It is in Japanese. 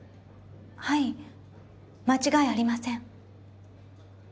はい間違いありません。